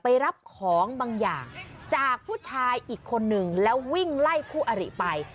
ไปรับของบางอย่างจากผู้ชายอีกคนนึงแล้ววิ่งไล่คู่อริไป